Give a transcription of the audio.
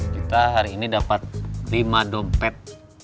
kita hari ini dapat lima dompet